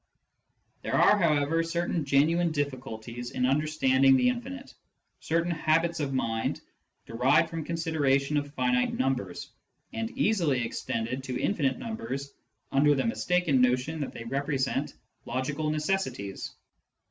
There are, however, certain genuine diflliculties in understanding the infinite, certain habits of mind derived from the consideration of finite numbers, and easily extended to infinite numbers under the mistaken notion that they represent logical necessities.